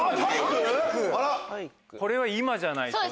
これは今じゃないとね。